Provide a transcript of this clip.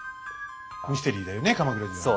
ミステリーだよね鎌倉時代の。